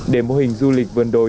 để mô hình du lịch vườn đồi